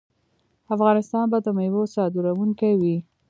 افغانستان به د میوو صادروونکی وي.